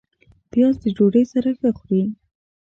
پیاز د ډوډۍ سره ښه خوري